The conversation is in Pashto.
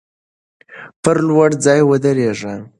پر لوړ ځای ودریږه.